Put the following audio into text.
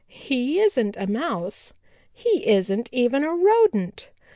"He isn't a Mouse. He isn't even a Rodent.